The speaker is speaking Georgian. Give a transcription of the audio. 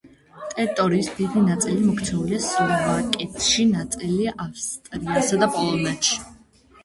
ტერიტორიის დიდი ნაწილი მოქცეულია სლოვაკეთში, ნაწილი ავსტრიასა და პოლონეთში.